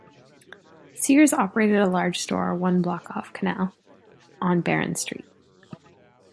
Sears operated a large store one block off Canal, on Baronne Street.